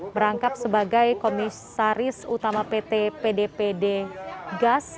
merangkap sebagai komisaris utama pt pd pd gas